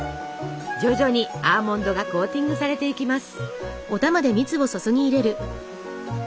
徐々にアーモンドがコーティングされていきます。